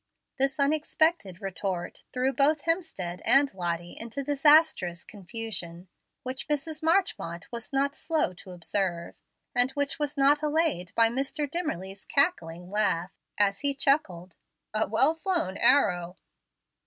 This unexpected retort threw both Hemstead and Lottie into disastrous confusion, which Mrs. Marchmont was not slow to observe, and which was not allayed by Mr. Dimmerly's cackling laugh, as he chuckled, "A well flown arrow."